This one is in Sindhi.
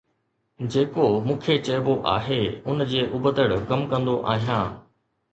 جيڪو مون کي چئبو آهي ان جي ابتڙ ڪم ڪندو آهيان